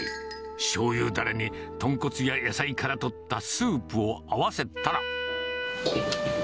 しょうゆだれに、豚骨や野菜からとったスープを合わせたら。